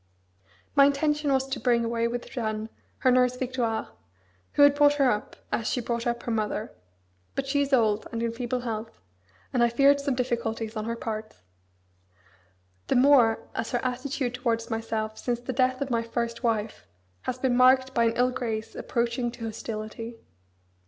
My intention was to bring away with Jeanne her nurse Victoire, who had brought her up, as she brought up her mother. But she is old, and in feeble health, and I feared some difficulties on her part; the more as her attitude towards myself since the death of my first wife has been marked by an ill grace approaching to hostility.